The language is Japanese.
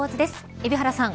海老原さん